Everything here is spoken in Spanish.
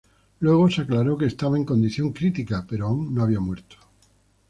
Luego se aclaró que estaba en condición crítica, pero aún no había muerto.